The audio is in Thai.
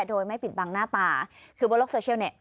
โดยไม่ปิดบังหน้าตาคือบนโลกโซเชียลเนี่ย